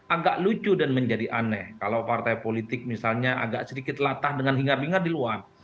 agak lucu dan menjadi aneh kalau partai politik misalnya agak sedikit latah dengan hingar hingar di luar